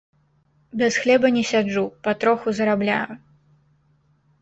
Без хлеба не сяджу, патроху зарабляю.